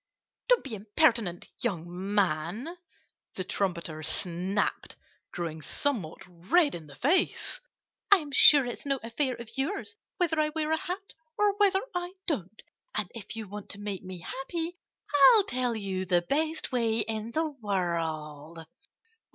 "Don't be impertinent, young man!" the trumpeter snapped, growing somewhat red in the face. "I'm sure it's no affair of yours whether I wear a hat or whether I don't. And if you want to make me happy, I'll tell you the best way in the world."